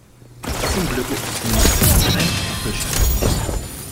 Zum Glück ist es nur ein Aprilscherz.